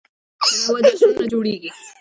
د میوو جشنونه جوړیږي.